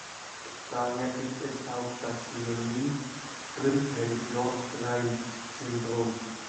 Daher gibt es auch das Synonym "Strümpell-Lorrain-Syndrom.